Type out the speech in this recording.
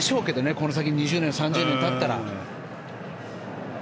この先２０年、３０年たったら。